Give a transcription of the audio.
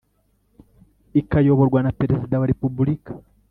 ikayoborwa na perezida wa repubulika